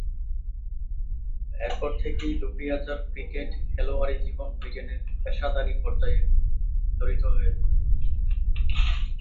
এরপর থেকেই দেপিয়াজা’র ক্রিকেট খেলোয়াড়ী জীবন ব্রিটেনের পেশাদারী পর্যায়ে জড়িত হয়ে পড়ে।